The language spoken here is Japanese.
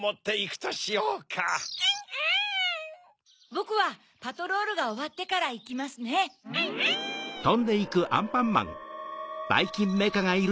・ぼくはパトロールがおわってからいきますね・・アンアン！